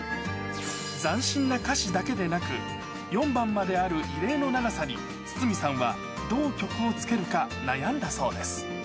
斬新な歌詞だけでなく、４番まである異例の長さに、筒美さんはどう曲をつけるか悩んだそうです。